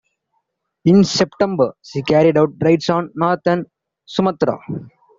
In September she carried out raids on Northern Sumatra.